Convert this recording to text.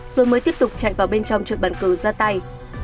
rồi mới tiếp tục chạy vào bên trong chuột bàn cờ ra tay